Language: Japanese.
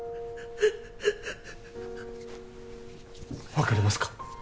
分かりますか？